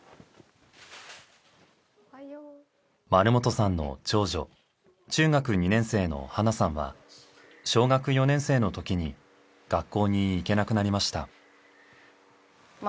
丸本さんの長女中学２年生のハナさんは小学４年生のときに学校に行けなくなりました。